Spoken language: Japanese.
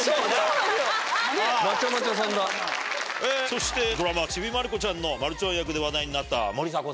そしてドラマ『ちびまる子ちゃん』のまるちゃん役で話題になった森迫さん。